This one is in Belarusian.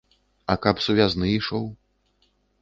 А каб сувязны ішоў?